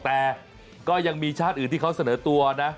แต่ก็ยังมีชาติอื่นที่เขาเสนอตัวนะ